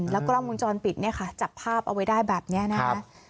แล้วก็ล่อมจรปิดเนี่ยค่ะจับภาพเอาไว้ได้แบบนี้นะคะ